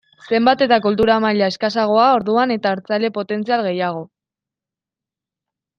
Zenbat eta kultura maila eskasagoa orduan eta hartzaile potentzial gehiago.